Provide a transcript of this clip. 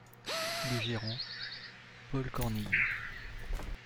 Le Gérant : Paul Cornille.